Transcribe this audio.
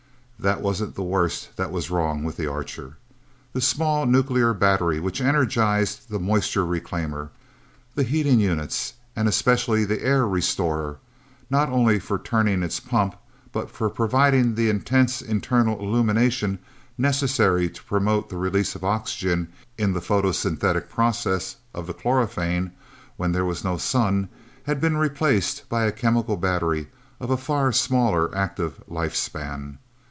That wasn't the worst that was wrong with the Archer. The small nuclear battery which energized the moisture reclaimer, the heating units, and especially the air restorer not only for turning its pumps but for providing the intense internal illumination necessary to promote the release of oxygen in the photosynthetic process of the chlorophane when there was no sun had been replaced by a chemical battery of a far smaller active life span!